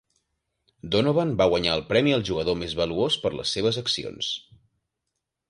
Donovan va guanyar el premi al jugador més valuós per les seves accions.